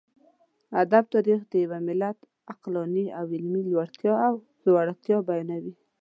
ادب تاريخ د يوه ملت عقلاني او علمي لوړتيا او ځوړتيا بيانوي.